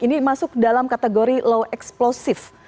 ini masuk dalam kategori low explosive